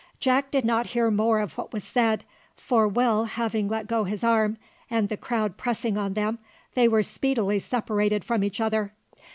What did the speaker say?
Jack did not hear more of what was said; for Will having let go his arm, and the crowd pressing on them, they were speedily separated from each other.